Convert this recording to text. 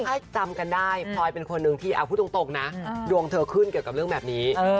ถ้าจำกันได้พลอยเป็นคนหนึ่งที่เอาพูดตรงนะดวงเธอขึ้นเกี่ยวกับเรื่องแบบนี้